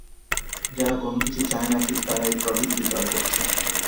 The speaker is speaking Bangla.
যারা কোন কিছু চায় না, শুধু তারাই প্রকৃতিকে জয় করছে।